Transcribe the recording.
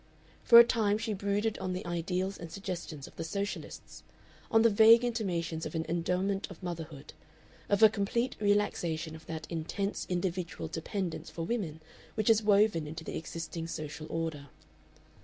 For a time she brooded on the ideals and suggestions of the Socialists, on the vague intimations of an Endowment of Motherhood, of a complete relaxation of that intense individual dependence for women which is woven into the existing social order.